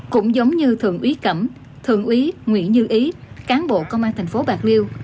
cũng giống như thượng úy cẩm thượng úy nguyễn như ý cán bộ công an tp bạc liêu